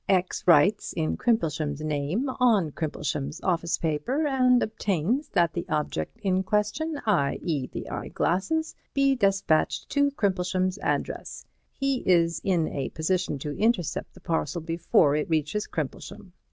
X writes in Crimplesham's name on Crimplesham's office paper and obtains that the object in question, i.e., the eyeglasses, be despatched to Crimplesham's address. He is in a position to intercept the parcel before it reaches Crimplesham.